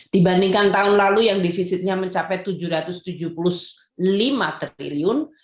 dibandingkan tahun lalu yang defisitnya mencapai tujuh ratus tujuh puluh lima triliun